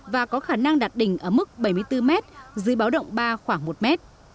và có khả năng đặt đỉnh ở mức bảy mươi bốn mét dưới báo động ba khoảng một mét